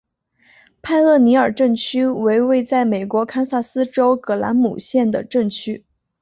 派厄尼尔镇区为位在美国堪萨斯州葛兰姆县的镇区。